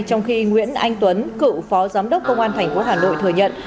trong khi nguyễn anh tuấn cựu phó giám đốc công an thành phố hà nội thừa nhận